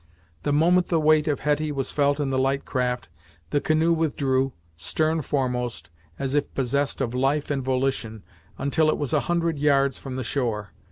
The moment the weight of Hetty was felt in the light craft the canoe withdrew, stern foremost, as if possessed of life and volition, until it was a hundred yards from the shore.